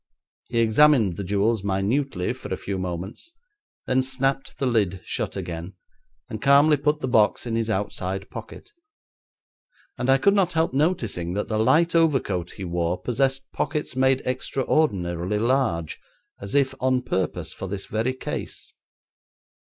He examined the jewels minutely for a few moments, then snapped the lid shut again, and calmly put the box in his outside pocket, and I could not help noticing that the light overcoat he wore possessed pockets made extraordinarily large, as if on purpose for this very case.